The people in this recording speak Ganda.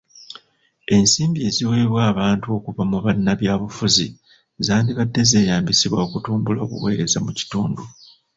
Ensimbi eziweebbwa abantu okuva mu bannabyabufuzi zandibadde zeeyambisibwa okutumbula obuweereza mu kitundu.